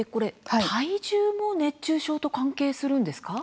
体重も熱中症と関係するんですか？